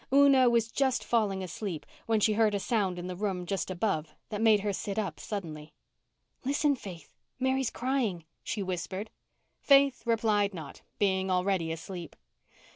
Una was just falling asleep when she heard a sound in the room just above that made her sit up suddenly. "Listen, Faith—Mary's crying," she whispered. Faith replied not, being already asleep.